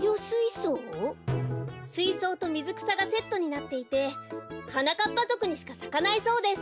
すいそうとみずくさがセットになっていてはなかっぱぞくにしかさかないそうです。